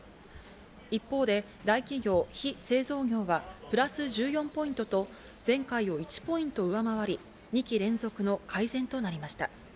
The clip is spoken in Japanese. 一方で、大企業・非製造業はプラス１４ポイントと前回を１ポイント上回り、２期連続の改善となりました。